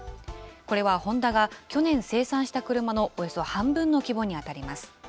これはホンダが去年生産した車のおよそ半分の規模に当たります。